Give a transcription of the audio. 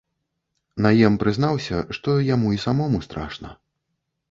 Наем прызнаўся, што яму і самому страшна.